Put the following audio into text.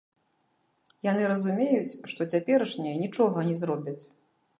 Яны разумеюць, што цяперашнія нічога не зробяць.